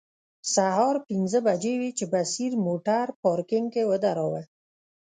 سهار پنځه بجې وې چې بصیر موټر پارکینګ کې ودراوه.